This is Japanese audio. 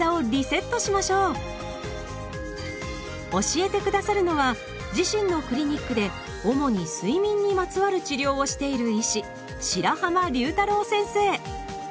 教えて下さるのは自身のクリニックで主に睡眠にまつわる治療をしている医師